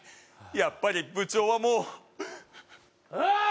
やっぱり部長はもううわーっ！